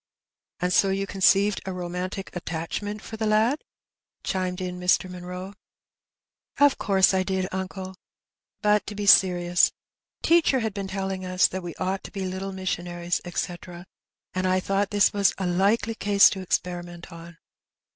''And so you conceived a romantic attachment for the lad?" chimed in Mr. Munroe. '* Of course I did, uncle ; but to be serious. Teacher had been telling us that we ought to be little missionaries, eta, and I thought this was a likely case to experiment on.